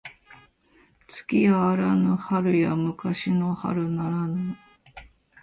月やあらぬ春や昔の春ならぬ